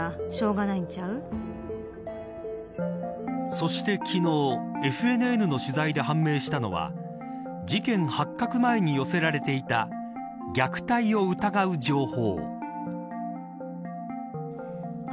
そして昨日、ＦＮＮの取材で判明したのは事件発覚前に寄せられていた虐待を疑う情報。